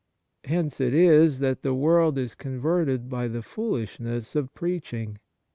Hence it is that the world is converted by the foolishness of preaching.